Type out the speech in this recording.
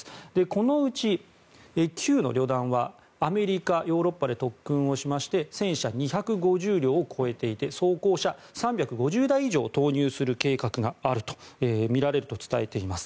このうち９の旅団はアメリカ、ヨーロッパで特訓をしまして戦車２５０両を超えていて装甲車３５０台以上を投入する計画があるとみられると伝えています。